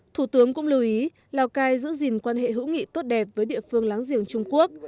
thủ tướng cũng lưu ý lào cai giữ gìn quan hệ hữu nghị tốt đẹp với địa phương láng giềng trung quốc